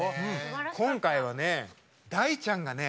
今回はね、大ちゃんがね